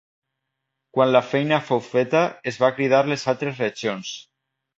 Quan la feina fou feta es va cridar les altres legions.